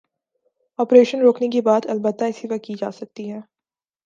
Operation روکنے کی بات، البتہ اسی وقت کی جا سکتی ہے۔